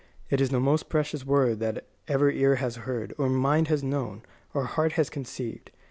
It is the most precious word that ever ear has heard, or mind has known, or heart has conceived.